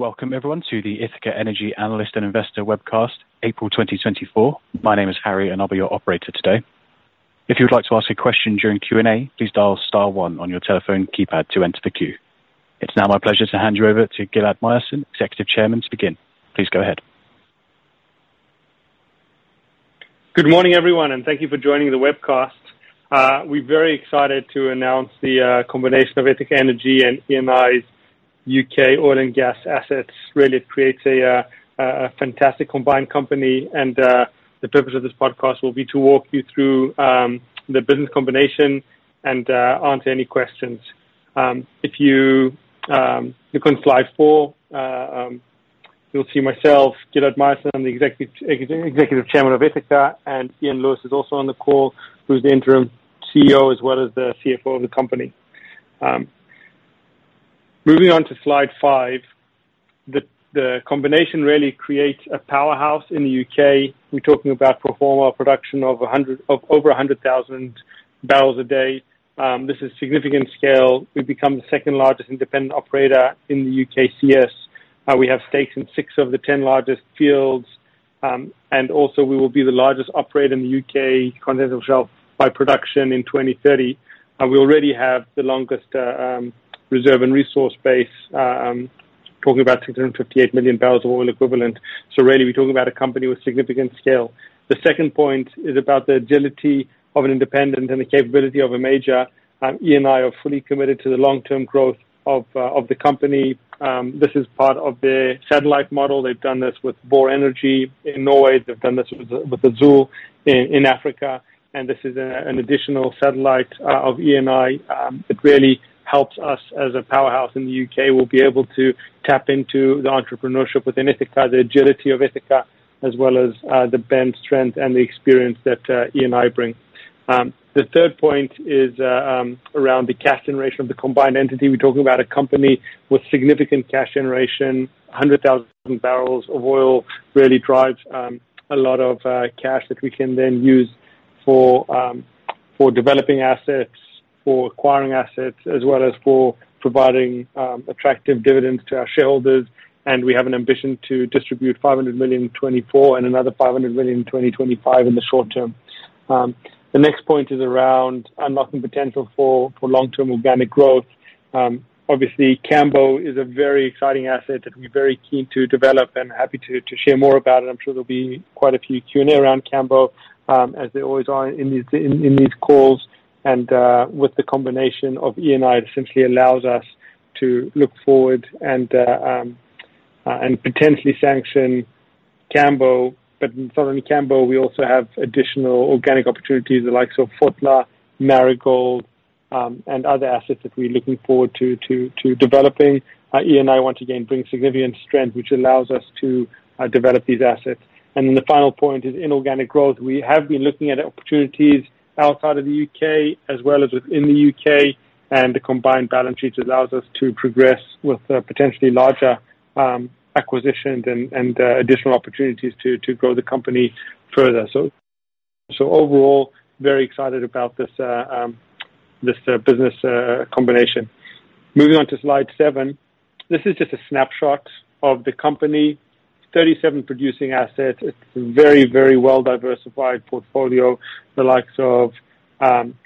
Welcome, everyone, to the Ithaca Energy Analyst and Investor webcast, April 2024. My name is Harry, and I'll be your operator today. If you would like to ask a question during Q&A, please dial star one on your telephone keypad to enter the queue. It's now my pleasure to hand you over to Gilad Myerson, Executive Chairman, to begin. Please go ahead. Good morning, everyone, and thank you for joining the webcast. We're very excited to announce the combination of Ithaca Energy and Eni's U.K. oil and gas assets. Really, it creates a fantastic combined company, and the purpose of this podcast will be to walk you through the business combination and answer any questions. If you look on slide four, you'll see myself, Gilad Myerson, the Executive Chairman of Ithaca, and Iain Lewis is also on the call, who's the interim CEO as well as the CFO of the company. Moving on to slide 5, the combination really creates a powerhouse in the U.K. We're talking about pro forma production of over 100,000 bbl a day. This is significant scale. We've become the second-largest independent operator in the UKCS. We have stakes in six of the 10 largest fields, and also we will be the largest operator in the U.K. Continental Shelf by production in 2030. We already have the longest reserve and resource base, talking about 658 million bbl of oil equivalent. So really, we're talking about a company with significant scale. The second point is about the agility of an independent and the capability of a major. Eni are fully committed to the long-term growth of the company. This is part of their satellite model. They've done this with Vår Energi in Norway. They've done this with Azule Energy in Africa. And this is an additional satellite of Eni. It really helps us as a powerhouse in the U.K. We'll be able to tap into the entrepreneurship within Ithaca, the agility of Ithaca, as well as the brand strength and the experience that Eni bring. The third point is around the cash generation of the combined entity. We're talking about a company with significant cash generation. 100,000 bbl of oil really drives a lot of cash that we can then use for developing assets, for acquiring assets, as well as for providing attractive dividends to our shareholders. We have an ambition to distribute $500 million in 2024 and another $500 million in 2025 in the short term. The next point is around unlocking potential for long-term organic growth. Obviously, Cambo is a very exciting asset that we're very keen to develop and happy to share more about. I'm sure there'll be quite a few Q&A around Cambo, as they always are in these calls. With the combination of Eni, it essentially allows us to look forward and potentially sanction Cambo. But not only Cambo, we also have additional organic opportunities the likes of Fotla, Marigold, and other assets that we're looking forward to developing. Eni, once again, brings significant strength, which allows us to develop these assets. And then the final point is inorganic growth. We have been looking at opportunities outside of the U.K. as well as within the U.K., and the combined balance sheet allows us to progress with potentially larger acquisitions and additional opportunities to grow the company further. So overall, very excited about this business combination. Moving on to slide seven, this is just a snapshot of the company, 37 producing assets. It's a very, very well-diversified portfolio the likes of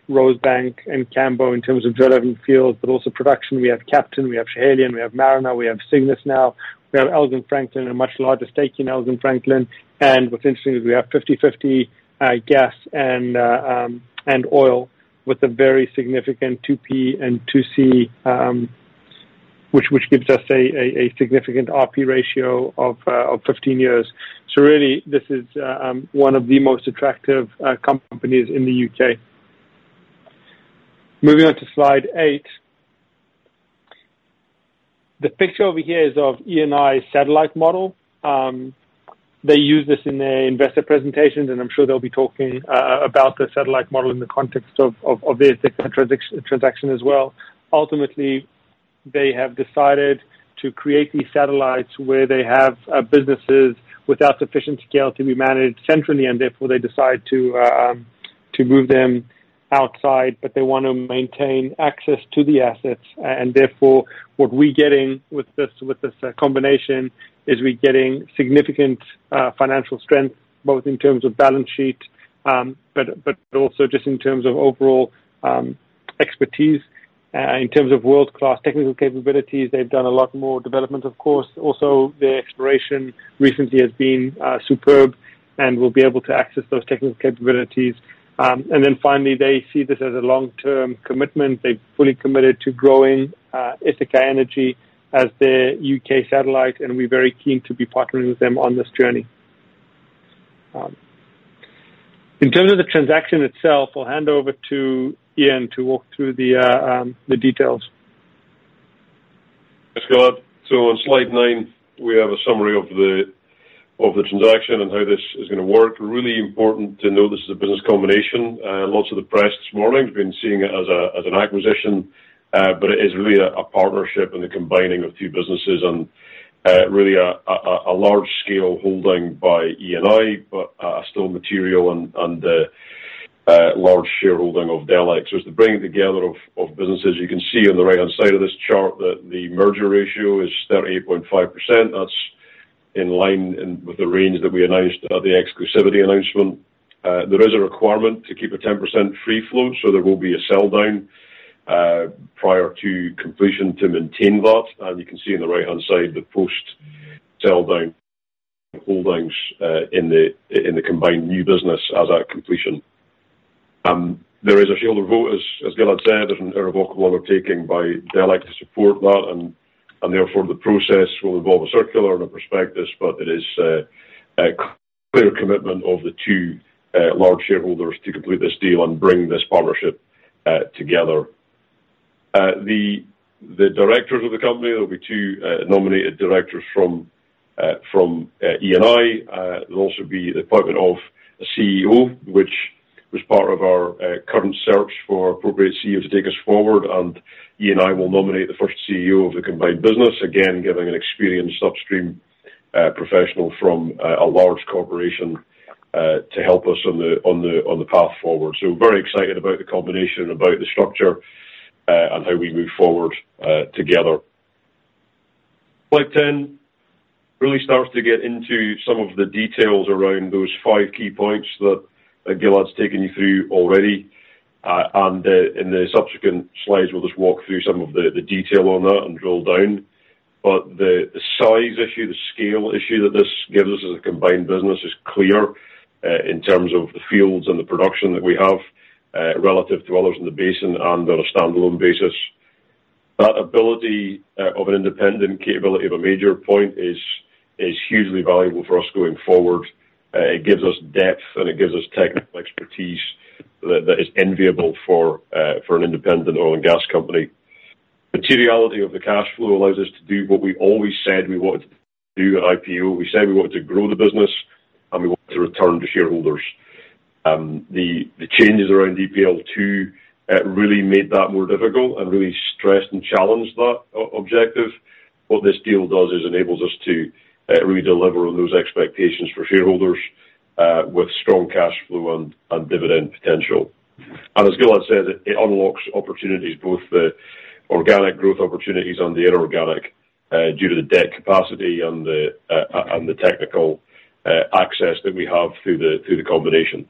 Rosebank and Cambo in terms of relevant fields, but also production. We have Captain. We have Schiehallion. We have Mariner. We have Cygnus now. We have Elgin Franklin, a much larger stake in Elgin Franklin. What's interesting is we have 50/50 gas and oil with a very significant 2P and 2C, which gives us a significant RP ratio of 15 years. So really, this is one of the most attractive companies in the U.K. Moving on to slide eight, the picture over here is of Eni's satellite model. They use this in their investor presentations, and I'm sure they'll be talking about the satellite model in the context of the Ithaca transaction as well. Ultimately, they have decided to create these satellites where they have businesses without sufficient scale to be managed centrally, and therefore they decide to move them outside. But they want to maintain access to the assets. And therefore, what we're getting with this combination is we're getting significant financial strength both in terms of balance sheet but also just in terms of overall expertise, in terms of world-class technical capabilities. They've done a lot more development, of course. Also, their exploration recently has been superb, and we'll be able to access those technical capabilities. And then finally, they see this as a long-term commitment. They've fully committed to growing Ithaca Energy as their U.K. satellite, and we're very keen to be partnering with them on this journey. In terms of the transaction itself, I'll hand over to Iain to walk through the details. Thanks, Gilad. So on slide nine, we have a summary of the transaction and how this is going to work. Really important to note, this is a business combination. Lots of the press this morning have been seeing it as an acquisition, but it is really a partnership and the combining of two businesses and really a large-scale holding by Eni but still material and large shareholding of Delek. So it's the bringing together of businesses. You can see on the right-hand side of this chart that the merger ratio is 38.5%. That's in line with the range that we announced at the exclusivity announcement. There is a requirement to keep a 10% free float, so there will be a sell down prior to completion to maintain that. And you can see on the right-hand side the post-sell down holdings in the combined new business as at completion. There is a shareholder vote, as Gilad said, an irrevocable undertaking by Delek to support that. Therefore, the process will involve a circular and a prospectus, but it is a clear commitment of the two large shareholders to complete this deal and bring this partnership together. The directors of the company; there'll be two nominated directors from Eni. There'll also be the appointment of a CEO, which was part of our current search for appropriate CEO to take us forward. Eni will nominate the first CEO of the combined business, again giving an experienced upstream professional from a large corporation to help us on the path forward. Very excited about the combination and about the structure and how we move forward together. Slide 10 really starts to get into some of the details around those five key points that Gilad's taken you through already. In the subsequent slides, we'll just walk through some of the detail on that and drill down. But the size issue, the scale issue that this gives us as a combined business is clear in terms of the fields and the production that we have relative to others in the basin and on a standalone basis. That ability of an independent capability of a major point is hugely valuable for us going forward. It gives us depth, and it gives us technical expertise that is enviable for an independent oil and gas company. Materiality of the cash flow allows us to do what we always said we wanted to do at IPO. We said we wanted to grow the business, and we wanted to return to shareholders. The changes around EPL2 really made that more difficult and really stressed and challenged that objective. What this deal does is enables us to really deliver on those expectations for shareholders with strong cash flow and dividend potential. And as Gilad said, it unlocks opportunities, both the organic growth opportunities and the inorganic due to the debt capacity and the technical access that we have through the combination.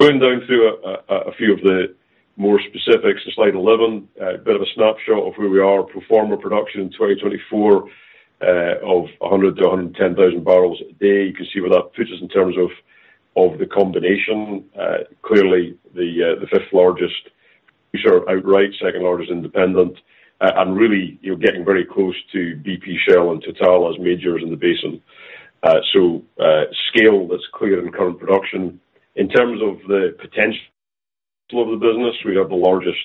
Going down through a few of the more specifics, to slide 11, a bit of a snapshot of where we are, pro forma production in 2024 of 100,000-110,000 bbl a day. You can see where that puts us in terms of the combination. Clearly, the fifth largest, we serve outright, second-largest independent, and really getting very close to BP Shell and Total as majors in the basin. So scale that's clear in current production. In terms of the potential of the business, we have the largest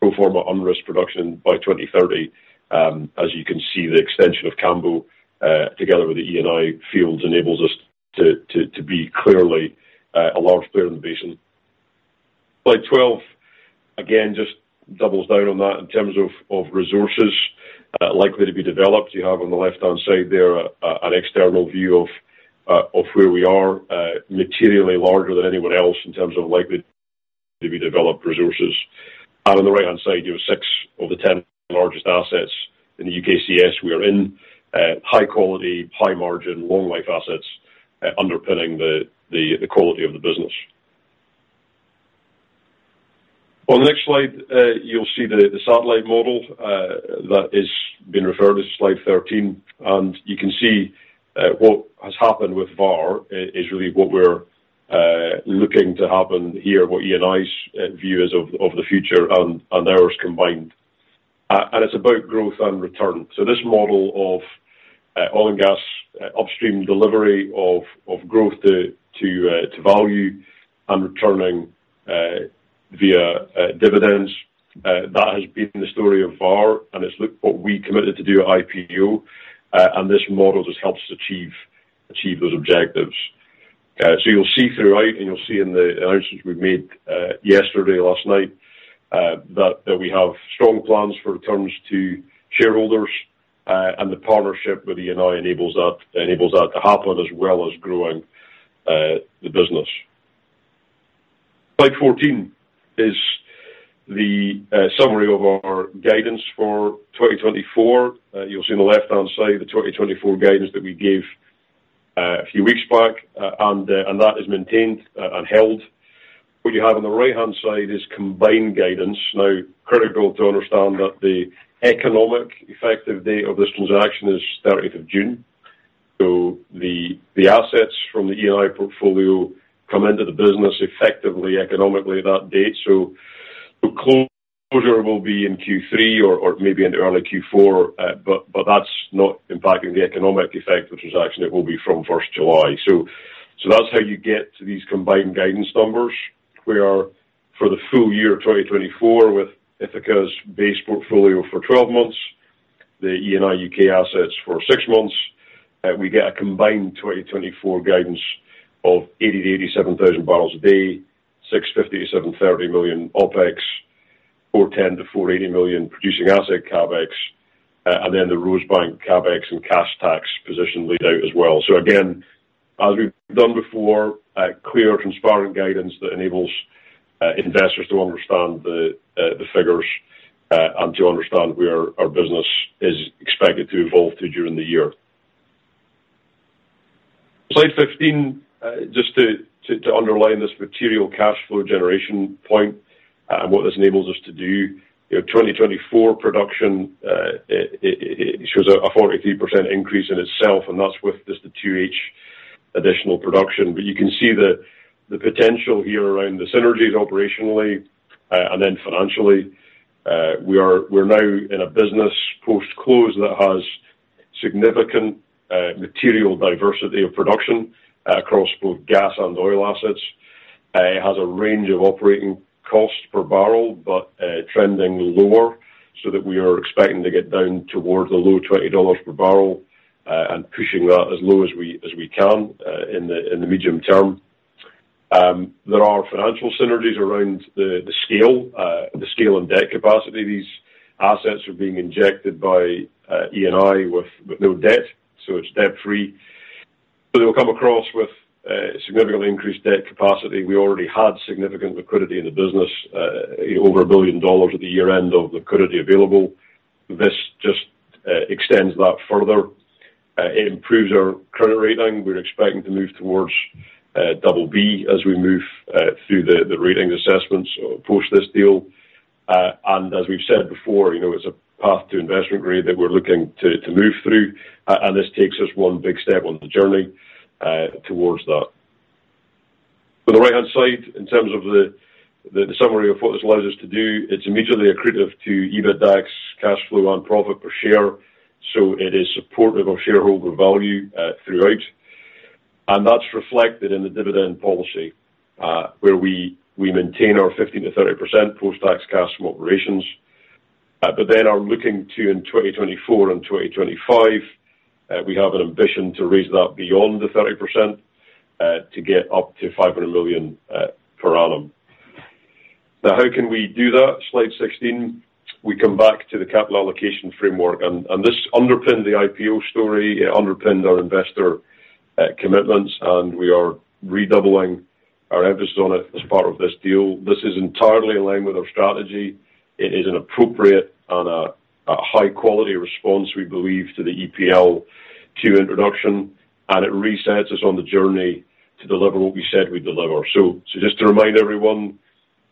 pro forma unrisked production by 2030. As you can see, the extension of Cambo together with the Eni fields enables us to be clearly a large player in the basin. Slide 12, again, just doubles down on that in terms of resources likely to be developed. You have on the left-hand side there an external view of where we are, materially larger than anyone else in terms of likely to be developed resources. And on the right-hand side, you have six of the 10 largest assets in the UKCS we are in, high quality, high margin, long-life assets underpinning the quality of the business. On the next slide, you'll see the satellite model that has been referred as slide 13. And you can see what has happened with Vår Energi is really what we're looking to happen here, what Eni's view is of the future and ours combined. And it's about growth and return. So this model of oil and gas upstream delivery of growth to value and returning via dividends, that has been the story of Vår Energi. And it's what we committed to do at IPO. And this model just helps us achieve those objectives. So you'll see throughout, and you'll see in the announcements we've made yesterday, last night, that we have strong plans for returns to shareholders. And the partnership with Eni enables that to happen as well as growing the business. Slide 14 is the summary of our guidance for 2024. You'll see on the left-hand side the 2024 guidance that we gave a few weeks back, and that is maintained and held. What you have on the right-hand side is combined guidance. Now, critical to understand that the economic effective date of this transaction is 30th of June. So the assets from the Eni portfolio come into the business effectively, economically, at that date. So closure will be in Q3 or maybe in early Q4, but that's not impacting the economic effect, which is actually it will be from 1st July. So that's how you get to these combined guidance numbers. Where for the full year 2024 with Ithaca's base portfolio for 12 months, the Eni U.K. assets for six months, we get a combined 2024 guidance of 80,000-87,000 bbl a day, $650 million-$730 million OPEX, $410 million-$480 million producing asset CAPEX, and then the Rosebank CAPEX and cash tax position laid out as well. So again, as we've done before, clear, transparent guidance that enables investors to understand the figures and to understand where our business is expected to evolve to during the year. Slide 15, just to underline this material cash flow generation point and what this enables us to do, 2024 production shows a 43% increase in itself, and that's with just the 2H additional production. But you can see the potential here around the synergies operationally and then financially. We're now in a business post-close that has significant material diversity of production across both gas and oil assets. It has a range of operating costs per barrel but trending lower so that we are expecting to get down towards the low $20 per bbl and pushing that as low as we can in the medium term. There are financial synergies around the scale and debt capacity. These assets are being injected by Eni with no debt, so it's debt-free. So they'll come across with significantly increased debt capacity. We already had significant liquidity in the business, over $1 billion at the year-end of liquidity available. This just extends that further. It improves our credit rating. We're expecting to move towards double B as we move through the ratings assessments post this deal. And as we've said before, it's a path to investment grade that we're looking to move through. And this takes us one big step on the journey towards that. On the right-hand side, in terms of the summary of what this allows us to do, it's immediately accretive to EBITDAX, cash flow, and profit per share. So it is supportive of shareholder value throughout. And that's reflected in the dividend policy where we maintain our 15%-30% post-tax cash from operations. But then we're looking to in 2024 and 2025, we have an ambition to raise that beyond the 30% to get up to $500 million per annum. Now, how can we do that? Slide 16, we come back to the capital allocation framework. This underpinned the IPO story, underpinned our investor commitments. We are redoubling our emphasis on it as part of this deal. This is entirely in line with our strategy. It is an appropriate and a high-quality response, we believe, to the EPL2 introduction. It resets us on the journey to deliver what we said we'd deliver. Just to remind everyone,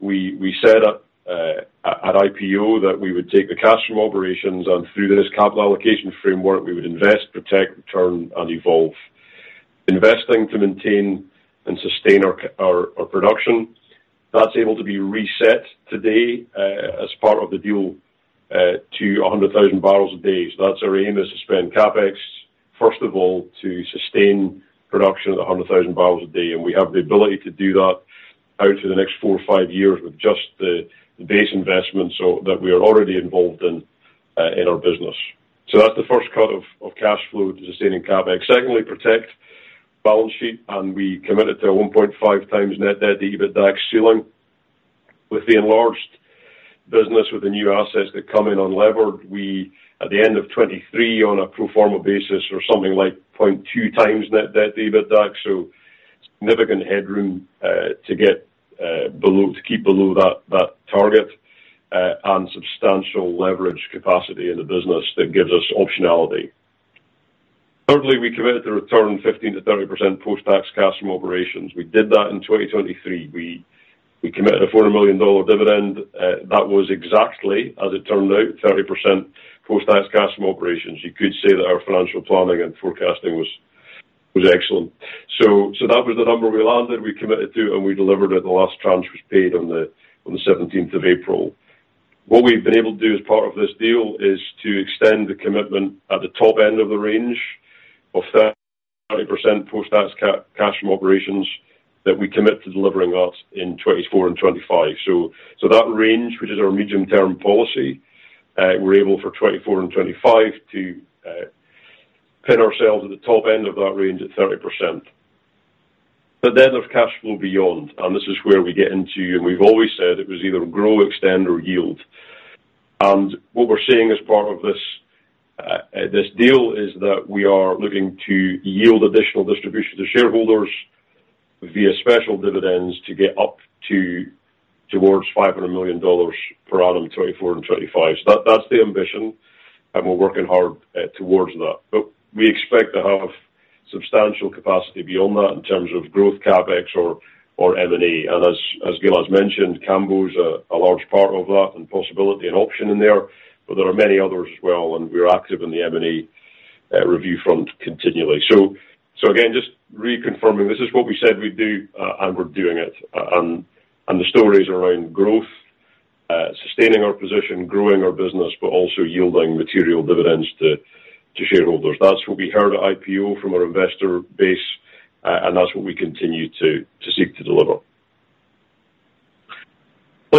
we said at IPO that we would take the cash from operations. Through this capital allocation framework, we would invest, protect, return, and evolve. Investing to maintain and sustain our production, that's able to be reset today as part of the deal to 100,000 bbl a day. So that's our aim is to spend CAPEX, first of all, to sustain production at 100,000 bbl a day. And we have the ability to do that out for the next four-five years with just the base investment that we are already involved in our business. So that's the first cut of cash flow to sustaining CAPEX. Secondly, protect balance sheet. And we committed to a 1.5x net debt to EBITDAX ceiling. With the enlarged business, with the new assets that come in unlevered, we at the end of 2023 on a pro forma basis are something like 0.2x net debt to EBITDAX. So significant headroom to keep below that target and substantial leverage capacity in the business that gives us optionality. Thirdly, we committed to return 15%-30% post-tax cash from operations. We did that in 2023. We committed a $400 million dividend. That was exactly, as it turned out, 30% post-tax cash from operations. You could say that our financial planning and forecasting was excellent. So that was the number we landed, we committed to, and we delivered it. The last tranche was paid on the 17th of April. What we've been able to do as part of this deal is to extend the commitment at the top end of the range of 30% post-tax cash from operations that we commit to delivering that in 2024 and 2025. So that range, which is our medium-term policy, we're able for 2024 and 2025 to pin ourselves at the top end of that range at 30%. But then there's cash flow beyond. This is where we get into, and we've always said it was either grow, extend, or yield. What we're seeing as part of this deal is that we are looking to yield additional distribution to shareholders via special dividends to get up towards $500 million per annum 2024 and 2025. So that's the ambition. We're working hard towards that. But we expect to have substantial capacity beyond that in terms of growth CAPEX or M&A. As Gilad mentioned, Cambo is a large part of that and possibility and option in there. There are many others as well. We're active in the M&A review front continually. So again, just reconfirming, this is what we said we'd do, and we're doing it. The story is around growth, sustaining our position, growing our business, but also yielding material dividends to shareholders. That's what we heard at IPO from our investor base. That's what we continue to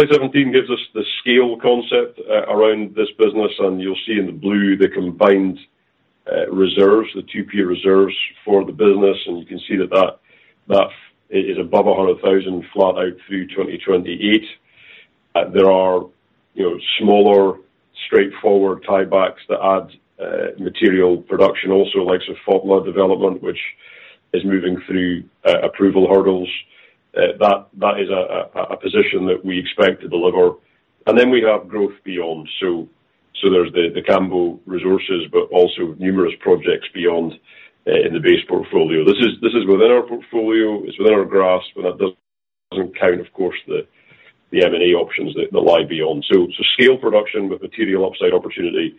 seek to deliver. Slide 17 gives us the scale concept around this business. You'll see in the blue the combined reserves, the 2P reserves for the business. You can see that that is above 100,000 flat out through 2028. There are smaller, straightforward tie-backs that add material production also, like some Fotla development, which is moving through approval hurdles. That is a position that we expect to deliver. Then we have growth beyond. There's the Cambo resources, but also numerous projects beyond in the base portfolio. This is within our portfolio. It's within our grasp. That doesn't count, of course, the M&A options that lie beyond. So scale production with material upside opportunity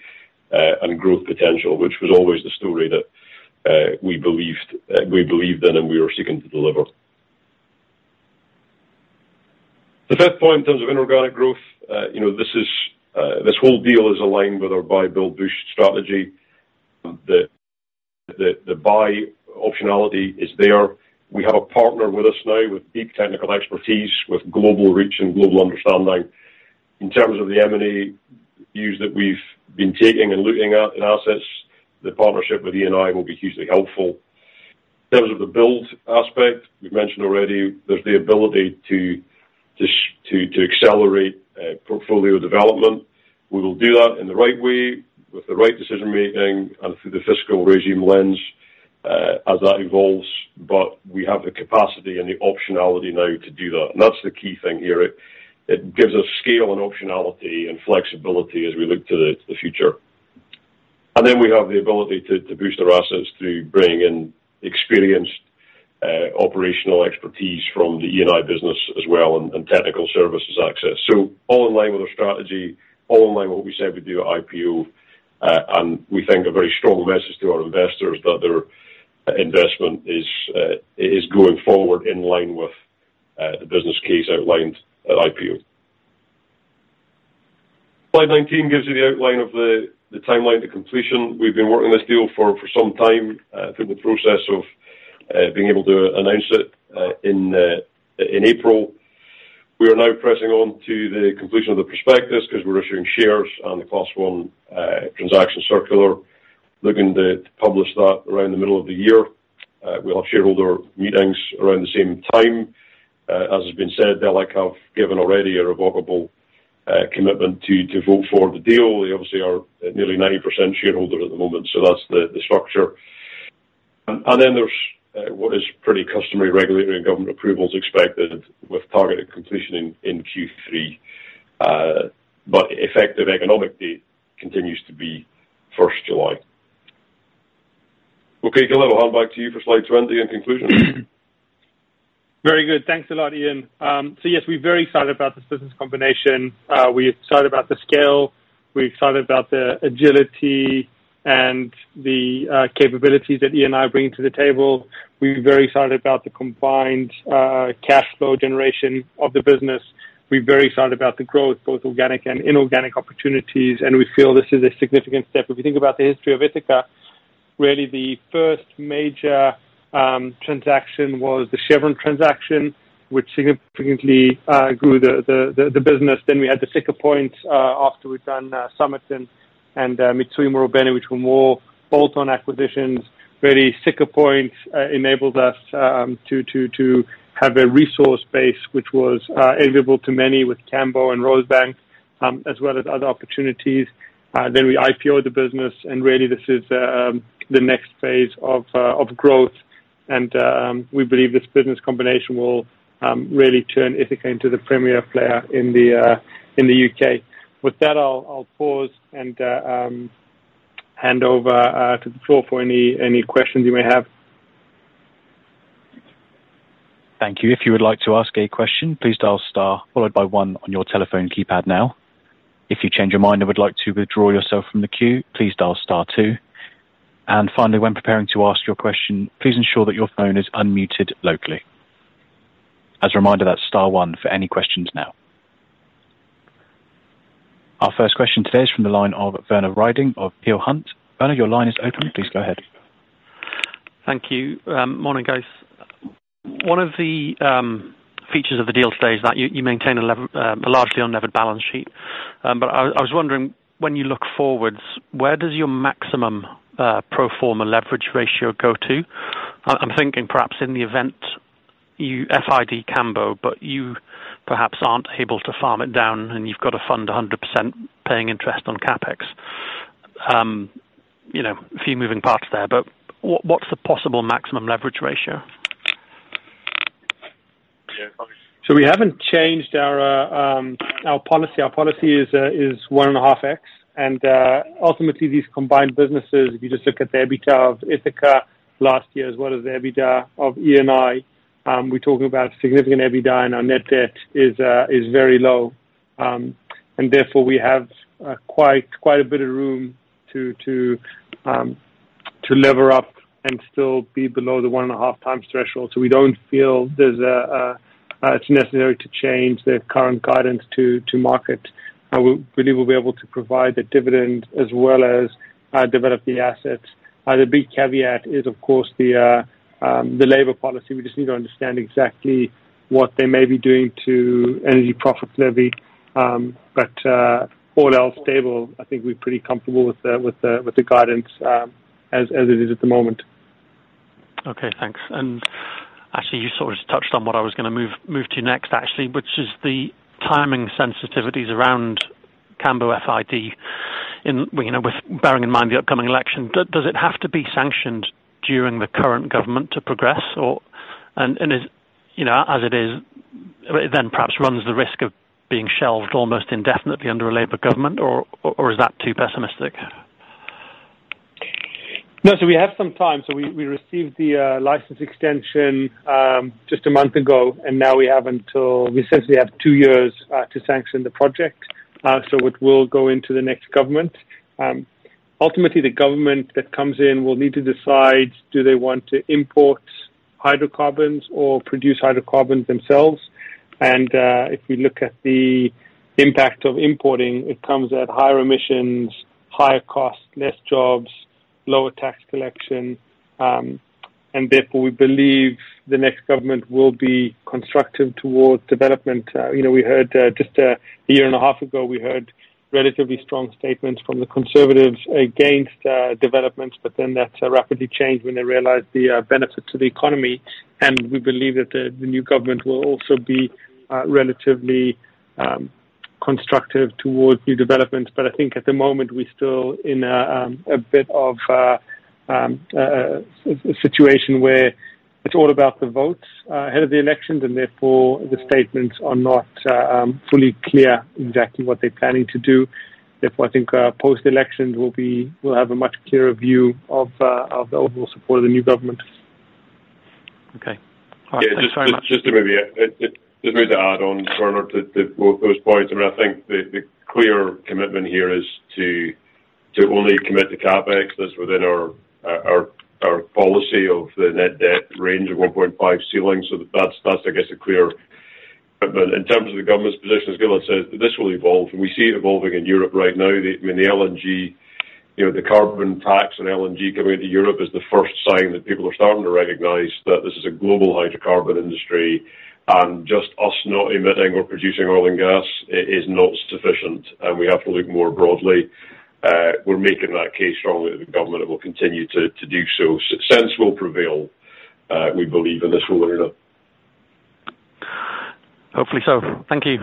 and growth potential, which was always the story that we believed in and we were seeking to deliver. The fifth point in terms of inorganic growth, this whole deal is aligned with our Buy, Build, Boost strategy. The buy optionality is there. We have a partner with us now with deep technical expertise, with global reach and global understanding. In terms of the M&A views that we've been taking and looking at in assets, the partnership with Eni will be hugely helpful. In terms of the build aspect, we've mentioned already, there's the ability to accelerate portfolio development. We will do that in the right way with the right decision-making and through the fiscal regime lens as that evolves. But we have the capacity and the optionality now to do that. And that's the key thing here. It gives us scale and optionality and flexibility as we look to the future. And then we have the ability to boost our assets through bringing in experienced operational expertise from the Eni business as well and technical services access. So all in line with our strategy, all in line with what we said we'd do at IPO. And we think a very strong message to our investors that their investment is going forward in line with the business case outlined at IPO. Slide 19 gives you the outline of the timeline to completion. We've been working on this deal for some time through the process of being able to announce it in April. We are now pressing on to the completion of the prospectus because we're issuing shares and the class one transaction circular, looking to publish that around the middle of the year. We'll have shareholder meetings around the same time. As has been said, Delek have given already a revocable commitment to vote for the deal. They obviously are nearly 90% shareholder at the moment. So that's the structure. And then there's what is pretty customary regulatory and government approvals expected with targeted completion in Q3. But effective economic date continues to be 1st July. Okay, Gilad, I'll hand back to you for slide 20 in conclusion. Very good. Thanks a lot, Iain. So yes, we're very excited about this business combination. We're excited about the scale. We're excited about the agility and the capabilities that Eni bring to the table. We're very excited about the combined cash flow generation of the business. We're very excited about the growth, both organic and inorganic opportunities. And we feel this is a significant step. If you think about the history of Ithaca, really, the first major transaction was the Chevron transaction, which significantly grew the business. Then we had the Siccar Point after we'd done Summit and Mitsui Marubeni, which were more bolt-on acquisitions. Really, Siccar Point enabled us to have a resource base, which was available to many with Cambo and Rosebank, as well as other opportunities. Then we IPO'd the business. And really, this is the next phase of growth. We believe this business combination will really turn Ithaca into the premier player in the U.K. With that, I'll pause and hand over to the floor for any questions you may have. Thank you. If you would like to ask a question, please dial star, followed by one on your telephone keypad now. If you change your mind and would like to withdraw yourself from the queue, please dial star two. And finally, when preparing to ask your question, please ensure that your phone is unmuted locally. As a reminder, that's star one for any questions now. Our first question today is from the line of Werner Riding of Peel Hunt. Werner, your line is open. Please go ahead. Thank you. Morning, guys. One of the features of the deal today is that you maintain a largely unlevered balance sheet. But I was wondering, when you look forward, where does your maximum pro forma leverage ratio go to? I'm thinking perhaps in the event you FID Cambo, but you perhaps aren't able to farm it down and you've got to fund 100% paying interest on CAPEX, a few moving parts there. But what's the possible maximum leverage ratio? So we haven't changed our policy. Our policy is 1.5x. And ultimately, these combined businesses, if you just look at the EBITDA of Ithaca last year as well as the EBITDA of Eni, we're talking about significant EBITDA, and our net debt is very low. And therefore, we have quite a bit of room to lever up and still be below the 1.5x threshold. So we don't feel it's necessary to change the current guidance to market. We believe we'll be able to provide the dividend as well as develop the assets. The big caveat is, of course, the labor policy. We just need to understand exactly what they may be doing to Energy Profits Levy. But all else stable. I think we're pretty comfortable with the guidance as it is at the moment. Okay, thanks. Actually, you sort of touched on what I was going to move to next, actually, which is the timing sensitivities around Cambo FID, bearing in mind the upcoming election. Does it have to be sanctioned during the current government to progress? And as it is, it then perhaps runs the risk of being shelved almost indefinitely under a Labour government, or is that too pessimistic? No, so we have some time. So we received the license extension just a month ago. And now we have until we essentially have two years to sanction the project. So it will go into the next government. Ultimately, the government that comes in will need to decide, do they want to import hydrocarbons or produce hydrocarbons themselves? And if we look at the impact of importing, it comes at higher emissions, higher costs, less jobs, lower tax collection. And therefore, we believe the next government will be constructive towards development. We heard just a year and a half ago, we heard relatively strong statements from the conservatives against developments. But then that rapidly changed when they realized the benefit to the economy. And we believe that the new government will also be relatively constructive towards new developments. I think at the moment, we're still in a bit of a situation where it's all about the votes ahead of the elections. Therefore, the statements are not fully clear exactly what they're planning to do. Therefore, I think post-elections we'll have a much clearer view of the overall support of the new government. Okay. All right. Thanks very much. Just to review, just really to add on, Werner, to both those points. I mean, I think the clear commitment here is to only commit to CAPEX. That's within our policy of the net debt range of 1.5 ceiling. So that's, I guess, a clear commitment. In terms of the government's position, as Gilad says, this will evolve. And we see it evolving in Europe right now. I mean, the LNG, the carbon tax on LNG coming into Europe is the first sign that people are starting to recognize that this is a global hydrocarbon industry. And just us not emitting or producing oil and gas is not sufficient. And we have to look more broadly. We're making that case strongly to the government, and we'll continue to do so. Sense will prevail, we believe, and this will earn us. Hopefully so. Thank you.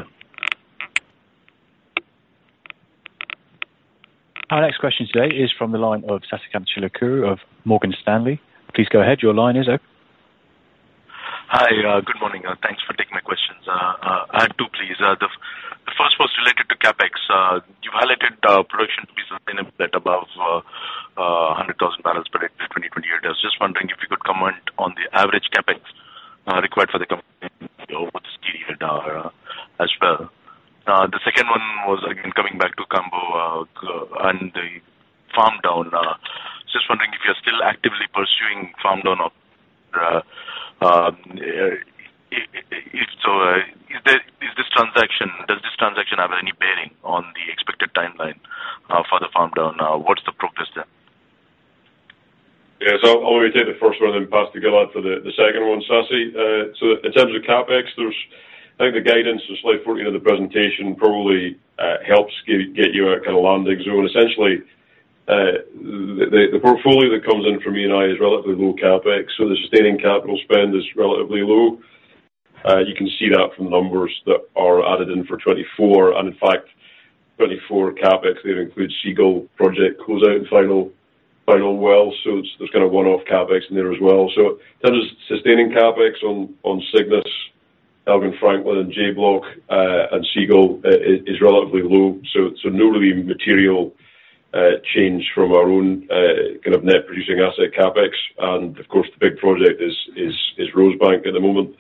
Our next question today is from the line of Sasi Chilukuru of Morgan Stanley. Please go ahead. Your line is open. Hi. Good morning. Thanks for taking my questions. I had two, please. The first was related to CapEx. You've highlighted production to be sustainable at above 100,000 bbl per hectare 2028. I was just wondering if you could comment on the average CapEx required for the company over this period as well. The second one was, again, coming back to Cambo and the farm down. Just wondering if you're still actively pursuing farm down. So does this transaction have any bearing on the expected timeline for the farm down? What's the progress there? Yeah. So I'll repeat the first one and then pass to Gilad for the second one, Sasi. So in terms of CAPEX, I think the guidance, as I said before in the presentation, probably helps get you at kind of landing zone. Essentially, the portfolio that comes in from Eni is relatively low CAPEX. So the sustaining capital spend is relatively low. You can see that from the numbers that are added in for 2024. And in fact, 2024 CAPEX, they've included Seagull project closeout and final well. So there's kind of one-off CAPEX in there as well. So in terms of sustaining CAPEX on Cygnus, Elgin Franklin, and J Block, and Seagull is relatively low. So no really material change from our own kind of net producing asset CAPEX. And of course, the big project is Rosebank at the moment.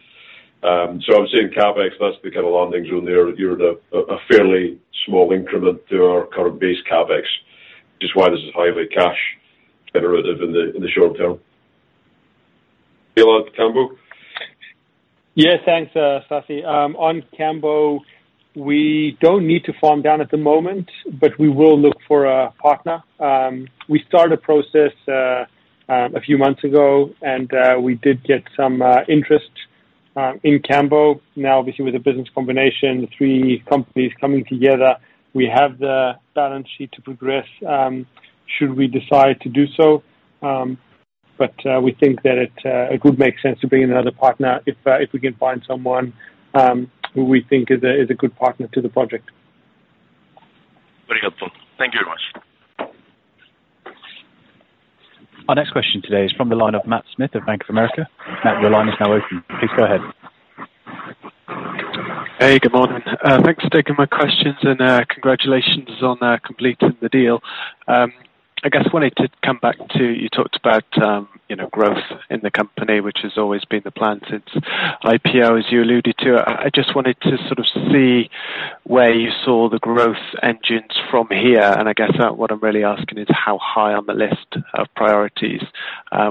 I would say in CapEx, that's the kind of landing zone there. You're at a fairly small increment to our current base CapEx, which is why this is highly cash generative in the short term. Gilad, Cambo? Yeah, thanks, Sasi. On Cambo, we don't need to farm down at the moment, but we will look for a partner. We started a process a few months ago, and we did get some interest in Cambo. Now, obviously, with the business combination, the three companies coming together, we have the balance sheet to progress should we decide to do so. But we think that it would make sense to bring in another partner if we can find someone who we think is a good partner to the project. Very helpful. Thank you very much. Our next question today is from the line of Matt Smith of Bank of America. Matt, your line is now open. Please go ahead. Hey, good morning. Thanks for taking my questions and congratulations on completing the deal. I guess I wanted to come back to you talked about growth in the company, which has always been the plan since IPO, as you alluded to. I just wanted to sort of see where you saw the growth engines from here. And I guess what I'm really asking is how high on the list of priorities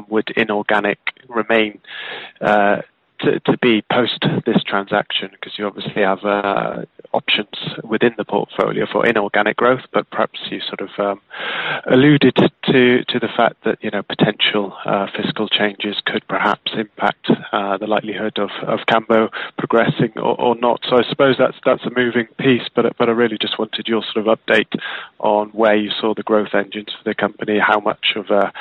would inorganic remain to be post this transaction because you obviously have options within the portfolio for inorganic growth. But perhaps you sort of alluded to the fact that potential fiscal changes could perhaps impact the likelihood of Cambo progressing or not. So I suppose that's a moving piece. But I really just wanted your sort of update on where you saw the growth engines for the company, how much of a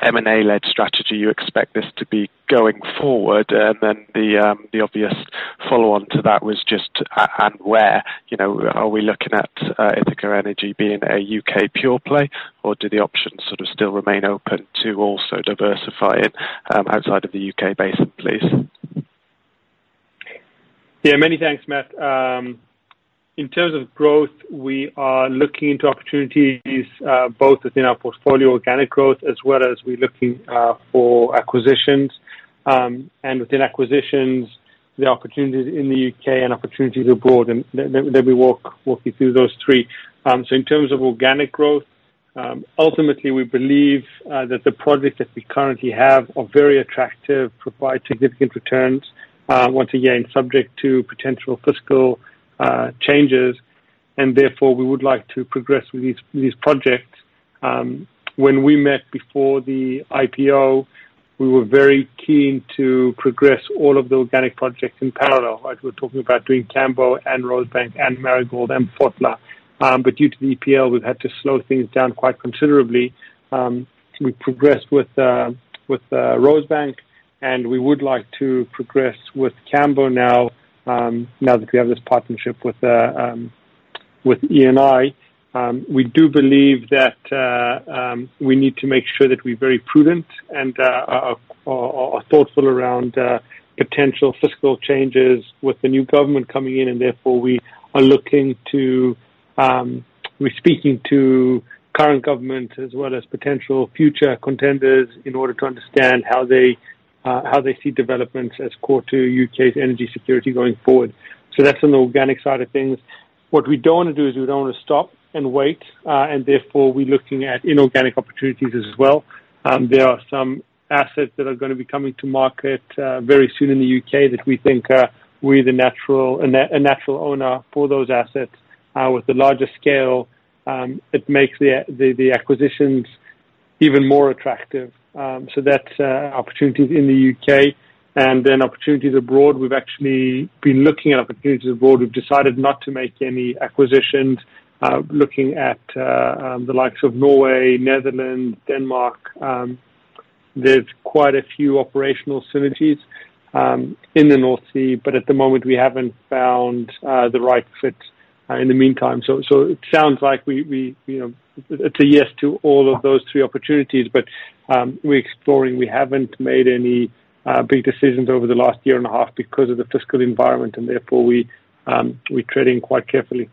M&A-led strategy you expect this to be going forward. And then the obvious follow-on to that was just, and where, are we looking at Ithaca Energy being a U.K. pure play, or do the options sort of still remain open to also diversifying outside of the U.K. basin, please? Yeah, many thanks, Matt. In terms of growth, we are looking into opportunities both within our portfolio, organic growth, as well as we're looking for acquisitions. Within acquisitions, the opportunities in the U.K. and opportunities abroad. We'll walk you through those three. In terms of organic growth, ultimately, we believe that the projects that we currently have are very attractive, provide significant returns, once again, subject to potential fiscal changes. Therefore, we would like to progress with these projects. When we met before the IPO, we were very keen to progress all of the organic projects in parallel, right? We were talking about doing Cambo and Rosebank and Marigold and Fotla. But due to the EPL, we've had to slow things down quite considerably. We progressed with Rosebank, and we would like to progress with Cambo now that we have this partnership with Eni. We do believe that we need to make sure that we're very prudent and are thoughtful around potential fiscal changes with the new government coming in. Therefore, we're speaking to current governments as well as potential future contenders in order to understand how they see developments as core to the U.K.'s energy security going forward. That's on the organic side of things. What we don't want to do is we don't want to stop and wait. Therefore, we're looking at inorganic opportunities as well. There are some assets that are going to be coming to market very soon in the U.K. that we think we're a natural owner for those assets. With the larger scale, it makes the acquisitions even more attractive. That's opportunities in the U.K. And then opportunities abroad, we've actually been looking at opportunities abroad. We've decided not to make any acquisitions looking at the likes of Norway, Netherlands, Denmark. There's quite a few operational synergies in the North Sea. But at the moment, we haven't found the right fit in the meantime. So it sounds like it's a yes to all of those three opportunities. But we're exploring. We haven't made any big decisions over the last year and a half because of the fiscal environment. Therefore, we're treading quite carefully.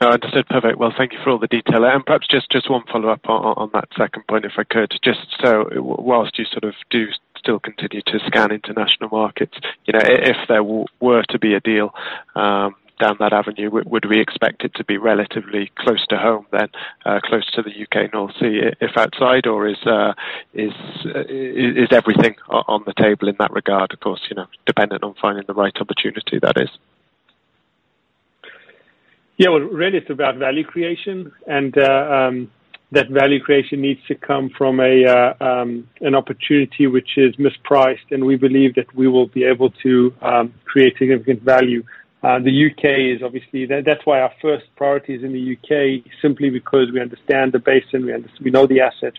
No, I understood perfectly. Well, thank you for all the detail. And perhaps just one follow-up on that second point, if I could. Just so while you sort of do still continue to scan international markets, if there were to be a deal down that avenue, would we expect it to be relatively close to home then, close to the U.K. North Sea, if outside? Or is everything on the table in that regard, of course, dependent on finding the right opportunity, that is? Yeah, well, really, it's about value creation. That value creation needs to come from an opportunity which is mispriced. We believe that we will be able to create significant value. The U.K. is obviously. That's why our first priority is in the U.K., simply because we understand the basin. We know the assets.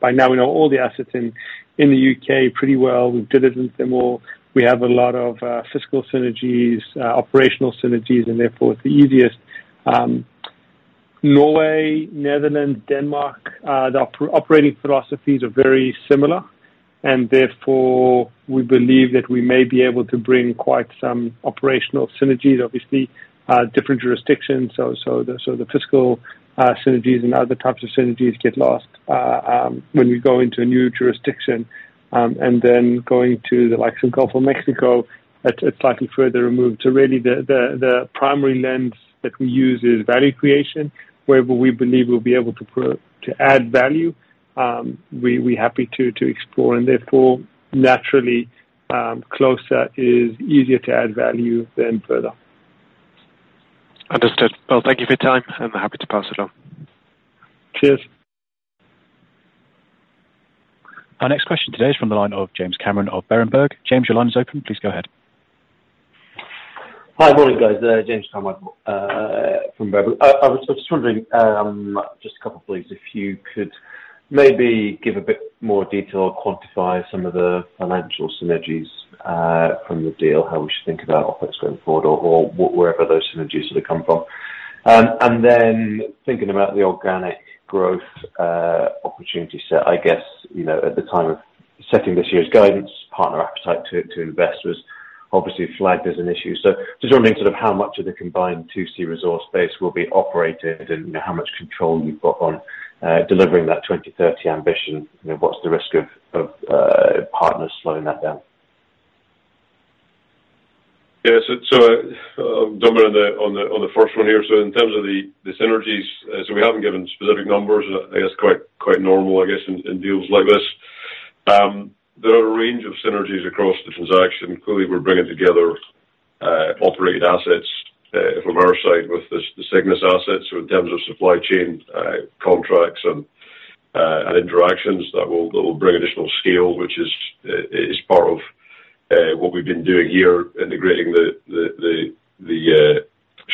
By now, we know all the assets in the U.K. pretty well. We've diligenced them all. We have a lot of fiscal synergies, operational synergies. Therefore, it's the easiest. Norway, Netherlands, Denmark, the operating philosophies are very similar. Therefore, we believe that we may be able to bring quite some operational synergies, obviously, different jurisdictions. So the fiscal synergies and other types of synergies get lost when we go into a new jurisdiction. Then going to the likes of Gulf of Mexico, it's slightly further removed. So really, the primary lens that we use is value creation, wherever we believe we'll be able to add value, we're happy to explore. Therefore, naturally, closer is easier to add value than further. Understood. Well, thank you for your time. I'm happy to pass it on. Cheers. Our next question today is from the line of James Carmichael of Berenberg. James, your line is open. Please go ahead. Hi, morning, guys. James Carmichael from Berenberg. I was just wondering, just a couple, please, if you could maybe give a bit more detail or quantify some of the financial synergies from the deal, how we should think about OPEX going forward, or wherever those synergies sort of come from. Then thinking about the organic growth opportunity set, I guess at the time of setting this year's guidance, partner appetite to invest was obviously flagged as an issue. Just wondering sort of how much of the combined 2C resource base will be operated and how much control you've got on delivering that 2030 ambition. What's the risk of partners slowing that down? Yeah. So I'll jump in on the first one here. So in terms of the synergies so we haven't given specific numbers. And I guess quite normal, I guess, in deals like this. There are a range of synergies across the transaction. Clearly, we're bringing together operated assets from our side with the Cygnus assets. So in terms of supply chain contracts and interactions, that will bring additional scale, which is part of what we've been doing here, integrating the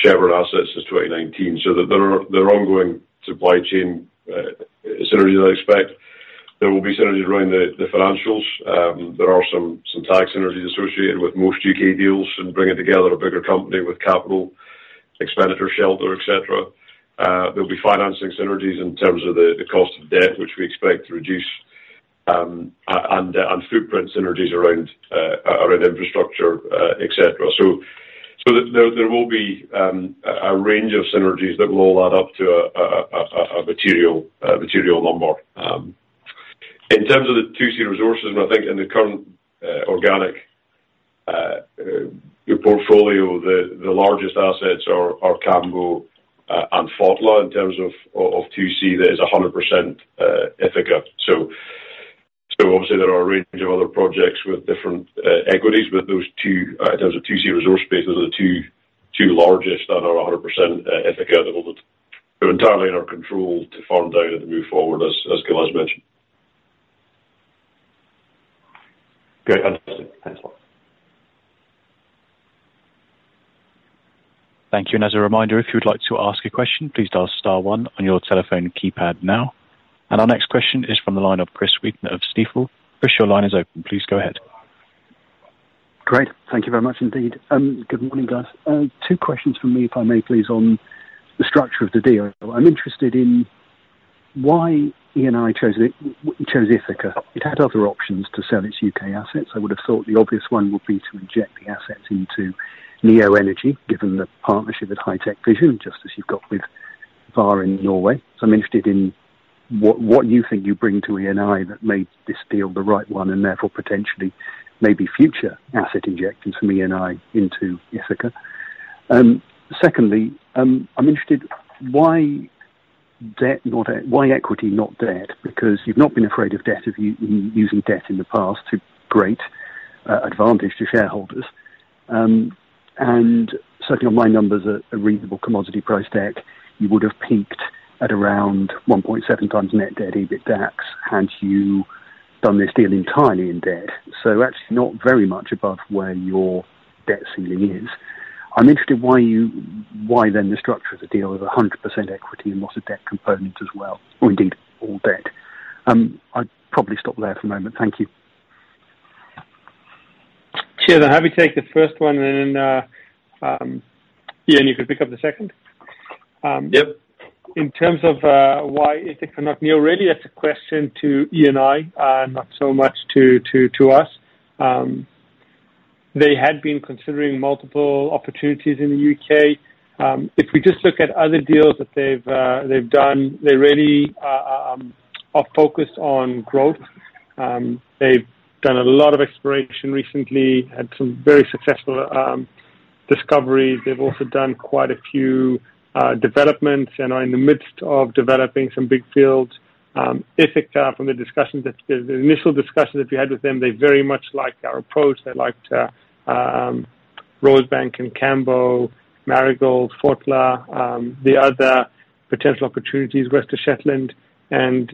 Chevron assets since 2019. So there are ongoing supply chain synergies that I expect. There will be synergies around the financials. There are some tax synergies associated with most U.K. deals and bringing together a bigger company with capital, expenditure, shelter, etc. There'll be financing synergies in terms of the cost of debt, which we expect to reduce, and footprint synergies around infrastructure, etc. So there will be a range of synergies that will all add up to a material number. In terms of the 2C resources, and I think in the current organic portfolio, the largest assets are Cambo and Fotla in terms of 2C that is 100% Ithaca. So obviously, there are a range of other projects with different equities. But in terms of 2C resource space, those are the two largest that are 100% Ithaca that will entirely be in our control to farm down and to move forward, as Gilad mentioned. Great. Understood. Thanks a lot. Thank you. As a reminder, if you'd like to ask a question, please dial star one on your telephone keypad now. Our next question is from the line of Chris Wheaton of Stifel. Chris, your line is open. Please go ahead. Great. Thank you very much indeed. Good morning, guys. Two questions from me, if I may, please, on the structure of the deal. I'm interested in why Eni chose Ithaca. It had other options to sell its U.K. assets. I would have thought the obvious one would be to inject the assets into NEO Energy, given the partnership at HitecVision, just as you've got with Vår Energi in Norway. So I'm interested in what you think you bring to Eni that made this deal the right one and therefore potentially maybe future asset injections from Eni into Ithaca. Secondly, I'm interested why equity, not debt, because you've not been afraid of using debt in the past to create advantage to shareholders. And certainly, on my numbers, a reasonable commodity price deck, you would have peaked at around 1.7x net debt EBITDAX had you done this deal entirely in debt. Actually, not very much above where your debt ceiling is. I'm interested why then the structure of the deal is 100% equity and lots of debt components as well, or indeed, all debt. I'd probably stop there for a moment. Thank you. Cheers. I'll have you take the first one. And then, Iain, you could pick up the second. Yep. In terms of why Ithaca, not NEO Energy, really, that's a question to Eni, not so much to us. They had been considering multiple opportunities in the U.K. If we just look at other deals that they've done, they really are focused on growth. They've done a lot of exploration recently, had some very successful discoveries. They've also done quite a few developments and are in the midst of developing some big fields. Ithaca, from the initial discussions that we had with them, they very much liked our approach. They liked Rosebank and Cambo, Marigold, Fotla, the other potential opportunities, West of Shetland. And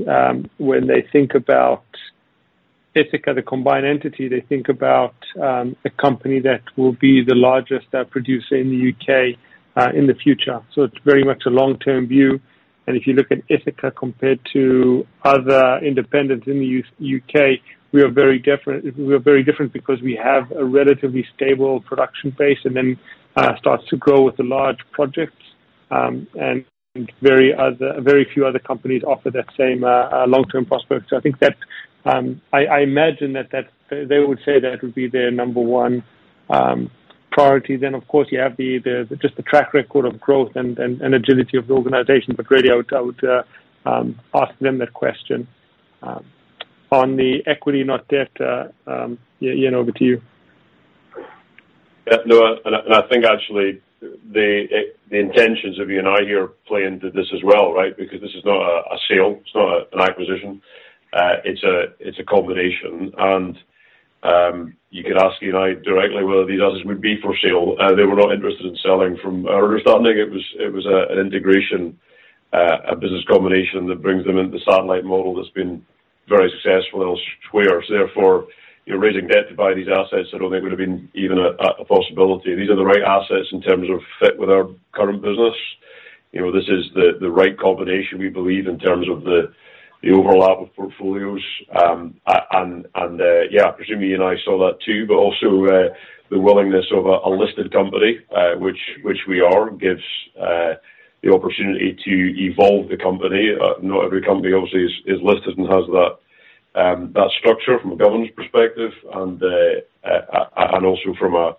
when they think about Ithaca, the combined entity, they think about a company that will be the largest producer in the U.K. in the future. So it's very much a long-term view. If you look at Ithaca compared to other independents in the U.K., we are very different because we have a relatively stable production base and then start to grow with the large projects. Very few other companies offer that same long-term prospect. So I imagine that they would say that would be their number one priority. Then, of course, you have just the track record of growth and agility of the organization. But really, I would ask them that question. On the equity, not debt, Ian, over to you. Yeah. No. I think actually, the intentions of Eni here play into this as well, right, because this is not a sale. It's not an acquisition. It's a combination. You could ask Eni directly whether these assets would be for sale. They were not interested in selling from earlier starting. It was an integration, a business combination that brings them into the satellite model that's been very successful, I'll swear. So therefore, raising debt to buy these assets, I don't think would have been even a possibility. These are the right assets in terms of fit with our current business. This is the right combination, we believe, in terms of the overlap of portfolios. Yeah, presumably, Eni saw that too. But also, the willingness of a listed company, which we are, gives the opportunity to evolve the company. Not every company, obviously, is listed and has that structure from a governance perspective and also from a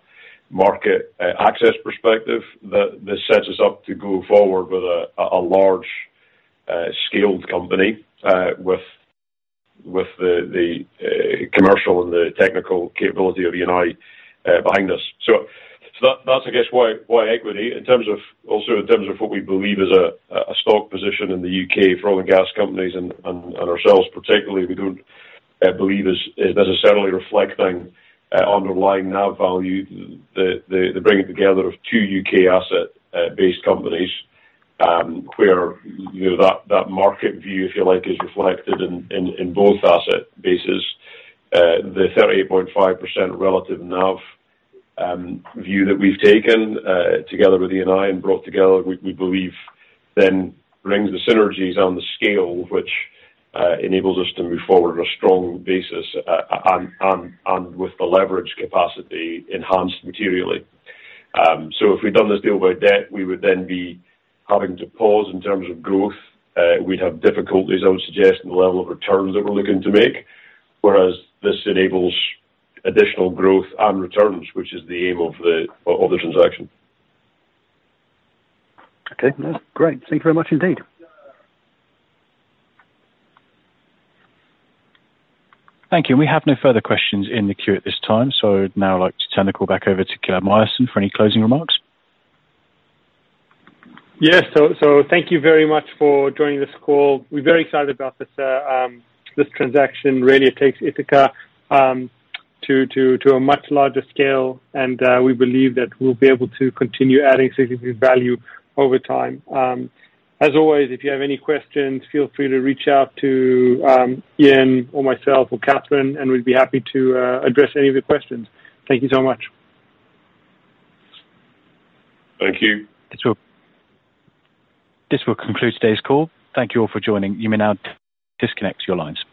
market access perspective that sets us up to go forward with a large-scale company with the commercial and the technical capability of Eni behind us. So that's, I guess, why equity. Also, in terms of what we believe is a stock position in the U.K. for oil and gas companies and ourselves particularly, we don't believe is necessarily reflecting underlying NAV value, the bringing together of two U.K. asset-based companies where that market view, if you like, is reflected in both asset bases. The 38.5% relative NAV view that we've taken together with Eni and brought together, we believe, then brings the synergies and the scale, which enables us to move forward on a strong basis and with the leverage capacity enhanced materially. If we'd done this deal by debt, we would then be having to pause in terms of growth. We'd have difficulties, I would suggest, in the level of returns that we're looking to make, whereas this enables additional growth and returns, which is the aim of the transaction. Okay. No. Great. Thank you very much indeed. Thank you. And we have no further questions in the queue at this time. So I'd now like to turn the call back over to Gilad Myerson for any closing remarks. Yes. So thank you very much for joining this call. We're very excited about this transaction. Really, it takes Ithaca to a much larger scale. We believe that we'll be able to continue adding significant value over time. As always, if you have any questions, feel free to reach out to Iain or myself or Catherine. We'd be happy to address any of your questions. Thank you so much. Thank you. This will conclude today's call. Thank you all for joining. You may now disconnect your lines.